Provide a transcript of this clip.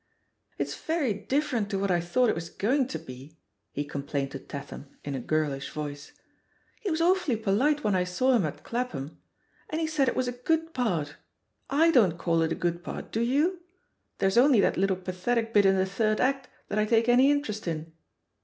"It's very different to what I thought it was going to be/' he complained to Tatham, in a girl ish voice; "he was awfully polite when I saw him at Clapham. And he said it was a good part. I don't call it a good part, do you? There's only that little pathetic bit in the third act that I take any interest in."